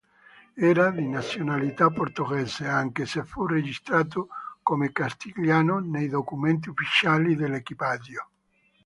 Era di nazionalità portoghese anche se fu registrato come castigliano nei documenti ufficiali dell'equipaggio.